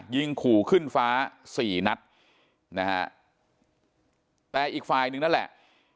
ยิงขู่ขึ้นฟ้าสี่นัดนะฮะแต่อีกฝ่ายหนึ่งนั่นแหละ